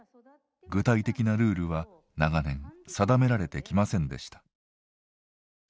具体的なルールは長年定められてきませんでした。